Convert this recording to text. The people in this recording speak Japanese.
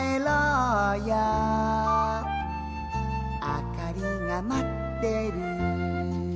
あかりが待ってる」